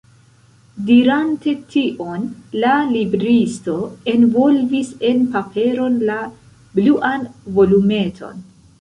Dirante tion, la libristo envolvis en paperon la bluan volumeton.